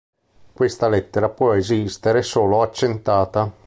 Questa lettera può esistere solo accentata.